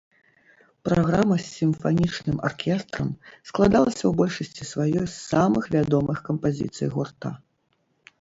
Праграма з сімфанічным аркестрам складалася ў большасці сваёй з самых вядомых кампазіцый гурта.